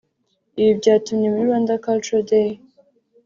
Ibi byatumye muri Rwanda Cultural Day